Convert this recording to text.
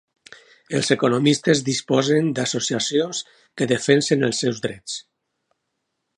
Els economistes disposen d'associacions que defensen els seus drets.